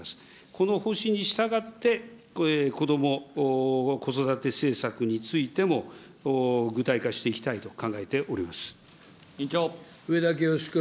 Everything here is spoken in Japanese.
この方針に従って、子ども・子育て政策についても、具体化していきたいと考えており上田清司君。